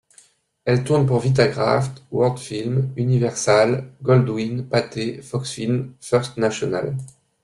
Elle tourne pour Vitagraph, World Film, Universal, Goldwyn, Pathé, Fox Film, First National.